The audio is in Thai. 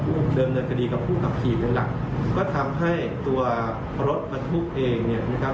จะดำเนินคดีกับผู้ขับขีดในหลักก็ทำให้ตัวรถประทบเองนะครับ